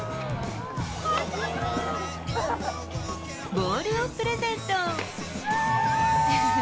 ボールをプレゼント。